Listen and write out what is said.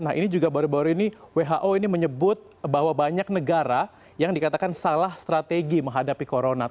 nah ini juga baru baru ini who ini menyebut bahwa banyak negara yang dikatakan salah strategi menghadapi corona